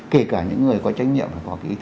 kể cả những người có trách nhiệm